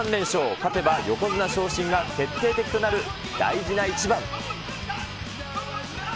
勝てば横綱昇進が決定的となる大事な一番。